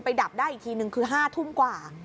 ดับได้อีกทีนึงคือ๕ทุ่มกว่า